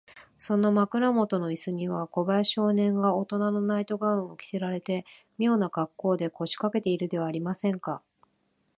その枕もとのイスには、小林少年がおとなのナイト・ガウンを着せられて、みょうなかっこうで、こしかけているではありませんか。